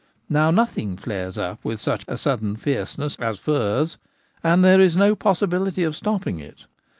Now nothing flares up with such a sudden fierceness as furze, and there is no possibility of stopping it.